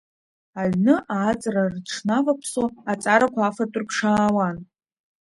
Аҩны ааҵра рҽнаваԥсо, аҵарақәа афатә рыԥшаауан.